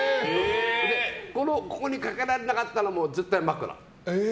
ここにかけられなかったら絶対枕。